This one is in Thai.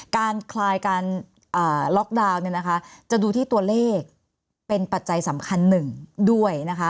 คลายการล็อกดาวน์จะดูที่ตัวเลขเป็นปัจจัยสำคัญหนึ่งด้วยนะคะ